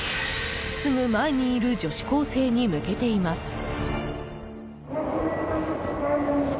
すぐ前にいる女子高生に向けています。